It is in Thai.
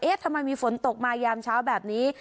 ทำไมมีฝนตกมายามเช้าแบบนี้